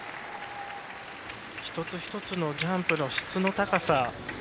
一つ一つのジャンプの質の高さ。